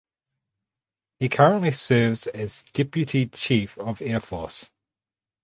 He currently serves as Deputy Chief of Air Force.